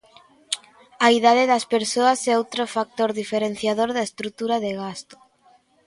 A idade das persoas é outra factor diferenciador da estrutura de gasto.